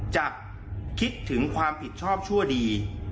จะคิดถึงความผิดชอบชั่วดี